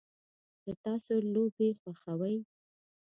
د تاسو لوبې خوښوئ؟